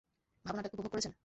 ভাবনাটা উপভোগ করছেন?